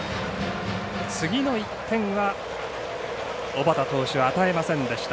次の１点は小畠投手は与えませんでした。